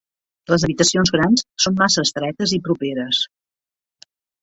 Les habitacions grans són massa estretes i properes.